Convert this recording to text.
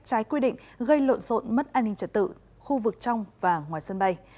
trái quy định gây lộn rộn mất an ninh trật tự khu vực trong và ngoài sân bay